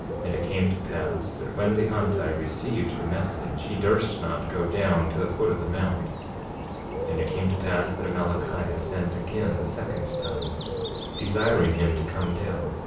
47:11 And it came to pass that when Lehonti received the message he durst not go down to the foot of the mount. And it came to pass that Amalickiah sent again the second time, desiring him to come down.